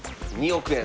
２億円。